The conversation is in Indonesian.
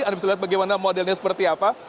anda bisa lihat bagaimana modelnya seperti apa